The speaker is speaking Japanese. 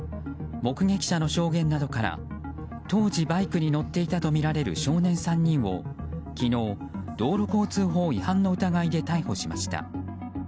目撃者の証言などから当時バイクに乗っていたとみられる少年３人を昨日、道路交通法違反の疑いで逮捕しました。